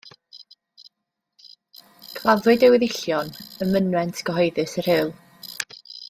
Claddwyd ei weddillion ym mynwent gyhoeddus y Rhyl.